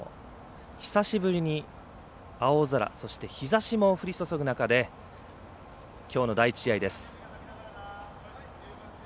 久しぶりに青空そして日差しも降り注ぐ中できょうの第１試合です。